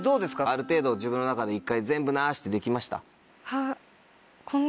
ある程度自分の中で一回全部なしってできました？